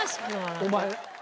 お前